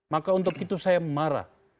maka untuk itu saya marah